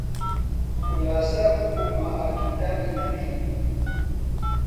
خولاسە ببوومە ئاجوودانی نەقیب